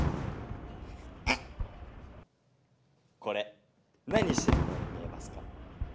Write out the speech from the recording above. うっこれ何してるように見えますか？